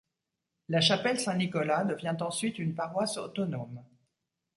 La chapelle Saint-Nicolas devient ensuite une paroisse autonome.